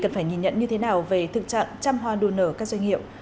phải nhìn nhận như thế nào về thực trạng trăm hoa đô nở các doanh hiệu